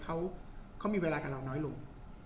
เขามีเวลากับเราน้อยลง